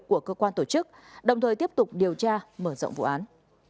của cơ quan tổ chức đồng thời tiếp tục điều tra mở rộng vụ án